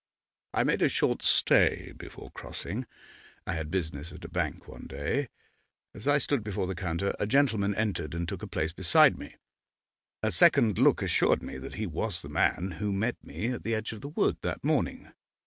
'I made a short stay before crossing. I had business at a bank one day; as I stood before the counter a gentleman entered and took a place beside me. A second look assured me that he was the man who met me at the edge of the wood that morning.